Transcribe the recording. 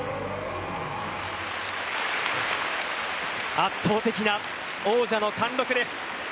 圧倒的な王者の貫禄です。